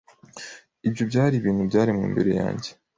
Ibyo byari ibintu byaremwe mbere yanjye